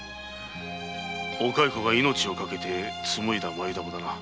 おカイコが命を懸けて紡いだ繭玉だな。